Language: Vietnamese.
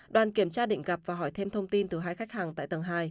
đoàn kiểm tra định gặp và hỏi thêm thông tin từ hai khách hàng tại tầng hai